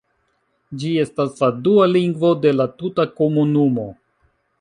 Ĝi estas la dua lingvo de la tuta komunumo.